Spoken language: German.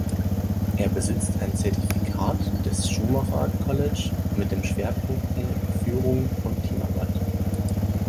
Er besitzt ein Zertifikat des Schumacher College mit den Schwerpunkten Führung und Teamarbeit.